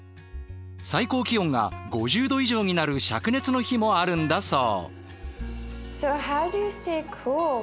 最高気温が５０度以上になるしゃく熱の日もあるんだそう。